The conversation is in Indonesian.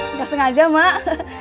nggak sengaja mak